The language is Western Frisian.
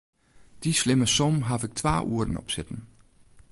Dy slimme som haw ik twa oeren op sitten.